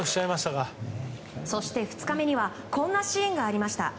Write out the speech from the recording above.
そして２日目にはこんなシーンがありました。